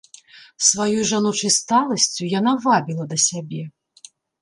Сваёй жаночай сталасцю яна вабіла да сябе.